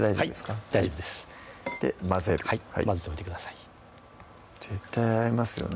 はい大丈夫ですで混ぜる混ぜておいてください絶対合いますよね